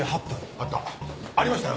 ありましたよ！